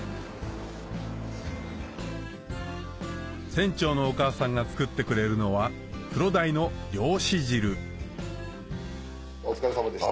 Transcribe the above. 船長のお母さんが作ってくれるのはクロダイの漁師汁お疲れさまでした。